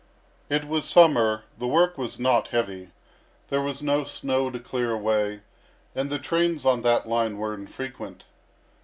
It was summer; the work was not heavy; there was no snow to clear away, and the trains on that line were infrequent.